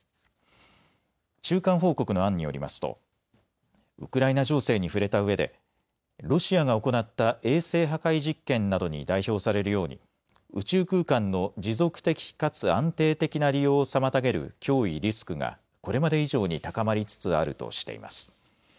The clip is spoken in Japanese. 中間報告の案によりますとウクライナ情勢に触れたうえでロシアが行った衛星破壊実験などに代表されるように宇宙空間の持続的かつ安定的な利用を妨げる脅威・リスクがこれまで以上に高まりつつあるとしています。